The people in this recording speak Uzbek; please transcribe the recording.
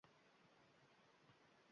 Nafl namoz qanchalik savobli amal bo‘lmasin